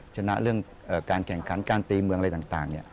ชนะเรื่องการแข่งขันการตีเมืองอะไรต่าง